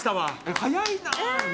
早いな！